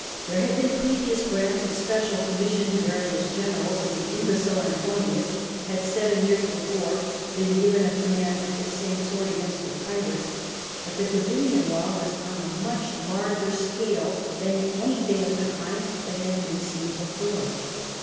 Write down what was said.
There had been previous grants of a special commission to various generals, and the imbecile Antonins had seven years before been given a command of this same sort against the pirates. But the Gabinian Law was on a much larger scale than anything of the kind that had been seen before.